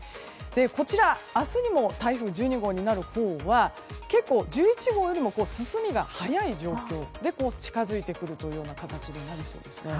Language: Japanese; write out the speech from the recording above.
こちら、明日にも台風１２号になるほうは結構１１号よりも進みが速い状況で近づいてくるというような形になりそうです。